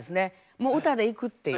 もう歌でいくっていう。